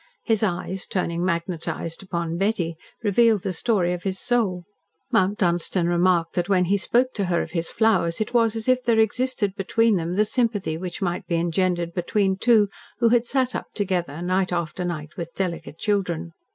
His eyes, turning magnetised upon Betty, revealed the story of his soul. Mount Dunstan remarked that when he spoke to her of his flowers it was as if there existed between them the sympathy which might be engendered between two who had sat up together night after night with delicate children.